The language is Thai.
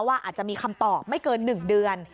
อาจจะมีคำตอบไม่เกิน๑เดือน